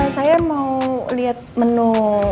saya mau lihat menu